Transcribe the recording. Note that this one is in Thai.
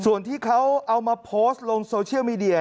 ส่วนที่เขาเอามาโพสต์ลงโซเชียลมีเดีย